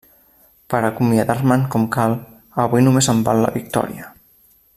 Per acomiadar-me'n com cal, avui només em val la victòria!